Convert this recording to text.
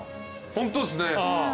ホントっすね。